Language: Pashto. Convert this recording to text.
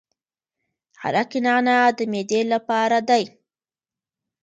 عرق نعنا د معدې لپاره دی.